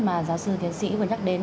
mà giáo sư thiến sĩ vừa nhắc đến